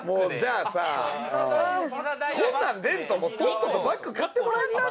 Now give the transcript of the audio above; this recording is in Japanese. じゃあさこんなん出んともうとっととバッグ買ってもらいに行けや。